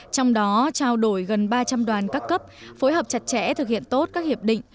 trong đó trao đổi gần ba trăm linh đoàn các cấp phối hợp chặt chẽ thực hiện tốt các hiệp định